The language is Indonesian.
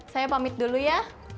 saya pamit dulu ya